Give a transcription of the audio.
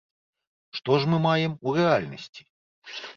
Што ж мы маем у рэальнасці?